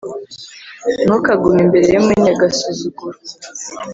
Ntukagume imbere y’umunyagasuzuguro,